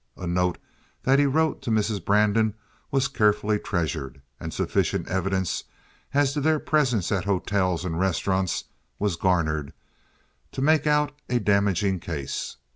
A note that he wrote to Mrs. Brandon was carefully treasured, and sufficient evidence as to their presence at hotels and restaurants was garnered to make out a damaging case.